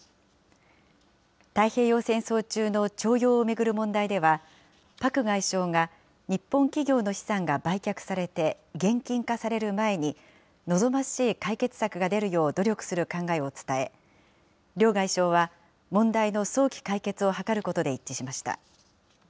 太平洋戦争中の徴用を巡る問題では、パク外相が、日本企業の資産が売却されて現金化される前に、望ましい解決策が出るよう努力する考えを伝え、両外相は問題の早期解決を図ることで一致しました。